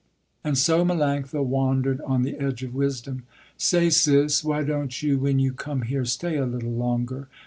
And so Melanctha wandered on the edge of wisdom. "Say, Sis, why don't you when you come here stay a little longer?"